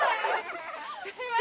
すいません！